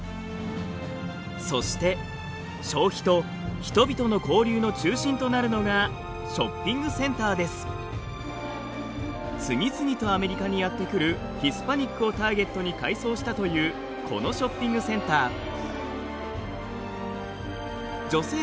そして消費と人々の交流の中心となるのが次々とアメリカにやって来るヒスパニックをターゲットに改装したというこのショッピングセンター。